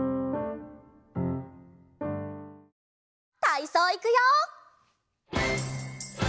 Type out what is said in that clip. たいそういくよ！